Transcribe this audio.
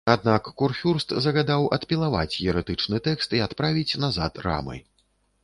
Аднак курфюрст загадаў адпілаваць ерэтычны тэкст і адправіць назад рамы.